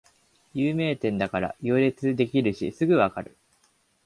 有名店だから行列できてるしすぐわかる